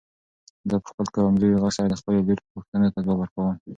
ده په خپل کمزوري غږ سره د خپلې لور پوښتنو ته ځواب ورکاوه.